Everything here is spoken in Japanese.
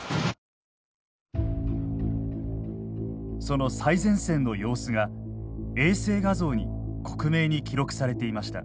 その最前線の様子が衛星画像に克明に記録されていました。